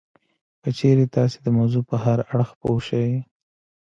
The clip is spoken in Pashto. که چېرې تاسې د موضوع په هر اړخ پوه شئ